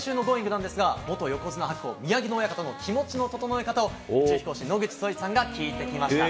なんですが、元横綱・白鵬・宮城野親方のキモチの整え方を、宇宙飛行士、野口聡一さんが聞いてきました。